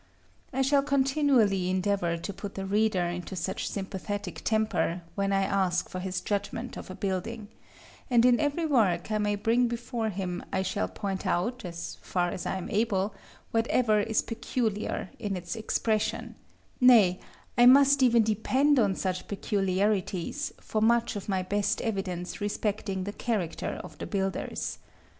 I shall continually endeavor to put the reader into such sympathetic temper, when I ask for his judgment of a building; and in every work I may bring before him I shall point out, as far as I am able, whatever is peculiar in its expression; nay, I must even depend on such peculiarities for much of my best evidence respecting the character of the builders.